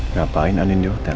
ngapain andin di hotel